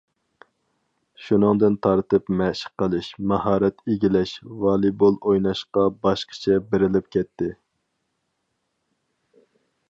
شۇنىڭدىن تارتىپ مەشىق قىلىش، ماھارەت ئىگىلەش، ۋالىبول ئويناشقا باشقىچە بېرىلىپ كەتتى.